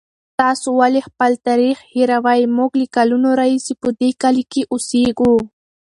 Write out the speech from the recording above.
تاسې ولې خپل تاریخ هېروئ؟ موږ له کلونو راهیسې په دې کلي کې اوسېږو.